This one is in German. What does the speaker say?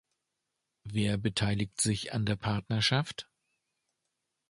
Wer beteiligt sich an der Partnerschaft?